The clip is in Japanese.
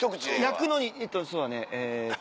焼くのにそうだねえっと。